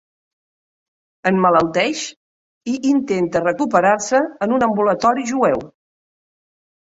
Emmalalteix i intenta recuperar-se en un ambulatori jueu.